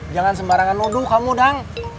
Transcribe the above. jangan sembarangan luduh kamu dang